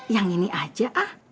yang ini aja ah